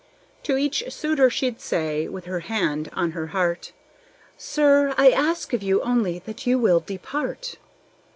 To each suitor she'd say, with her hand on her heart, "Sir, I ask of you only that you will depart."